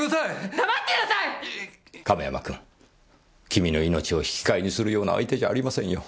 君の命を引き換えにするような相手じゃありませんよ。